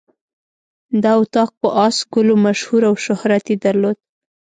دا اطاق په آس ګلو مشهور او شهرت یې درلود.